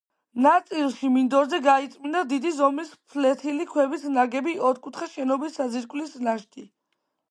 ნაწილში, მინდორზე გაიწმინდა დიდი ზომის ფლეთილი ქვებით ნაგები ოთხკუთხა შენობის საძირკვლის ნაშთი.